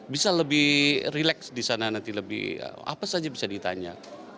bisa lebih relax di sana nanti lebih apa saja bisa ditanya